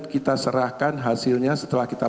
kita serahkan hasilnya setelah kita